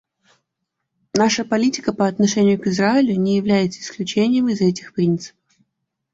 Наша политика по отношению к Израилю не является исключением из этих принципов.